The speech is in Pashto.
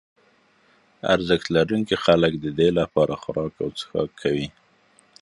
ارزښت لرونکي خلک ددې لپاره خوراک او څښاک کوي.